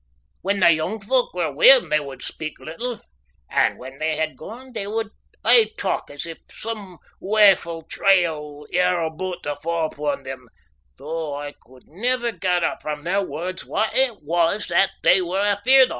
When the young folk were wi' them they would speak little, but when they had gone they would aye talk as if some waefu' trial ere aboot to fa' upon them, though I could never gather from their words what it was that they were afeared o'.